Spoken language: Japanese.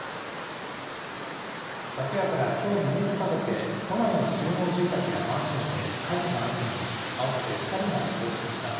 昨夜からきょう未明にかけて、都内の集合住宅やマンションで火事が相次ぎ、合わせて２人が死亡しました。